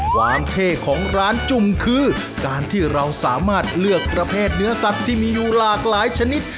ความเท่ของร้านจุ่มคือการที่เราสามารถเลือกประเภทเนื้อสัตว์ที่มีอยู่หลากหลายชนิด